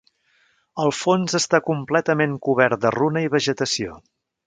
El fons està completament cobert de runa i vegetació.